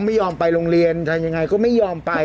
ไม่ยอมไปโรงเรียนทำยังไงก็ไม่ยอมไป